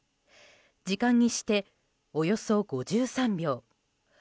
時間にして、およそ５３秒。